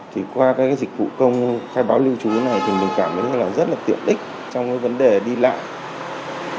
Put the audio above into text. thì qua các dịch vụ công khai báo lưu trú này thì mình cảm thấy là rất là tiện ích trong cái vấn đề đi lại